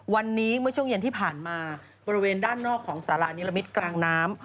วันนี้เมื่อช่วงเย็นที่ผ่านมาบริเวณด้านนอกของสาระนิรมิตรกลางน้ำ